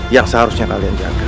yang seharusnya kalian jaga